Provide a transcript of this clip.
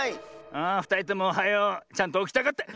あふたりともおはよう。ちゃんとおきたかって。